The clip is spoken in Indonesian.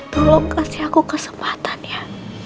tolong kasih aku kesempatan ya